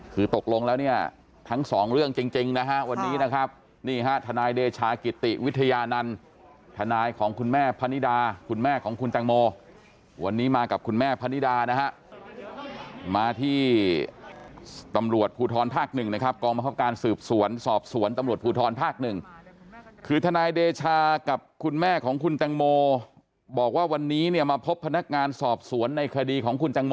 คือตกลงแล้วเนี่ยทั้งสองเรื่องจริงนะฮะวันนี้นะครับนี่ฮะทนายเดชากิติวิทยานันต์ทนายของคุณแม่พนิดาคุณแม่ของคุณแตงโมวันนี้มากับคุณแม่พนิดานะฮะมาที่ตำรวจภูทรภาคหนึ่งนะครับกองบังคับการสืบสวนสอบสวนตำรวจภูทรภาคหนึ่งคือทนายเดชากับคุณแม่ของคุณแตงโมบอกว่าวันนี้เนี่ยมาพบพนักงานสอบสวนในคดีของคุณตังโม